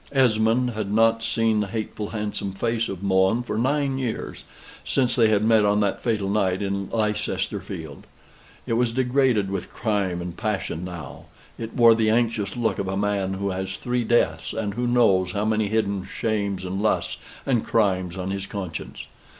Esmond had not seen the hateful handsome face of Mohun for nine years, since they had met on that fatal night in Leicester Field. It was degraded with crime and passion now; it wore the anxious look of a man who has three deaths, and who knows how many hidden shames, and lusts, and crimes on his conscience.